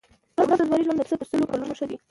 یوه ورځ د زمري ژوند د پسه تر سلو کلونو ښه دی.